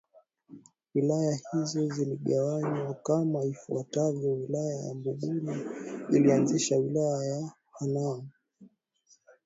Wilaya hizo ziligawanywa kama ifuatavyo Wilaya ya Mbulu ilianzisha Wilaya ya Hanang